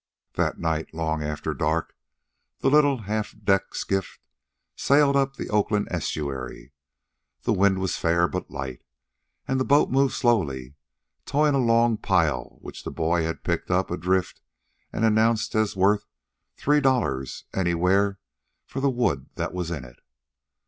That night, long after dark, the little, half decked skiff sailed up the Oakland Estuary. The wind was fair but light, and the boat moved slowly, towing a long pile which the boy had picked up adrift and announced as worth three dollars anywhere for the wood that was in it.